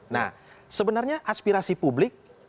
nah sebenarnya aspirasi publik